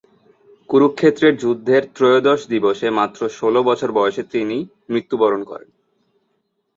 কুরুক্ষেত্রের যুদ্ধের ত্রয়োদশ দিবসে মাত্র ষোলো বছর বয়সে তিনি মৃত্যুবরণ করেন।